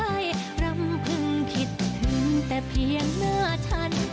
รำพึงคิดถึงแต่เพียงหน้าฉัน